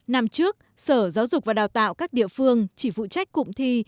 năm trước sở giáo dục và đào tạo các địa phương chỉ phụ trách cụm thi